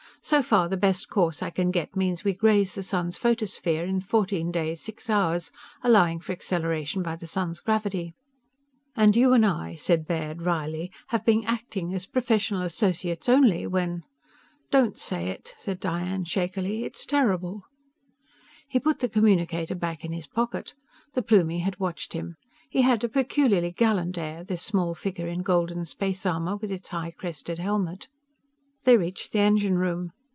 So far, the best course I can get means we graze the sun's photosphere in fourteen days six hours, allowing for acceleration by the sun's gravity._" "And you and I," said Baird wryly, "have been acting as professional associates only, when " "Don't say it!" said Diane shakily. "It's terrible!" He put the communicator back in his pocket. The Plumie had watched him. He had a peculiarly gallant air, this small figure in golden space armor with its high crested helmet. They reached the engine room.